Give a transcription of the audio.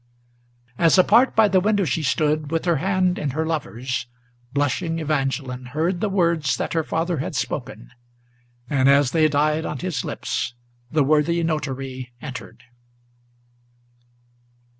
As apart by the window she stood, with her hand in her lover's, Blushing Evangeline heard the words that her father had spoken, And, as they died on his lips, the worthy notary entered.